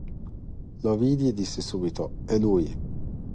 Lo vidi e dissi subito: è lui.